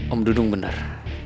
om dudung benar